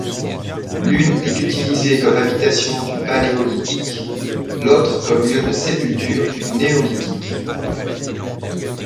L'une est utilisée comme habitation du Paléolithique, l'autre comme lieu de sépulture du néolithique.